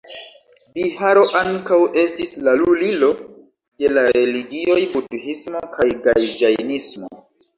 Biharo ankaŭ estis la lulilo de la religioj budhismo kaj ĝajnismo.